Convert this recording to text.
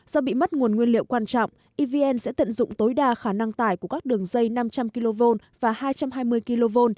do bị mất nguồn nguyên liệu quan trọng evn sẽ tận dụng tối đa khả năng tải của các đường dây năm trăm linh kv và hai trăm hai mươi kv